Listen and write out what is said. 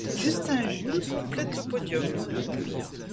Justin Jules complète le podium.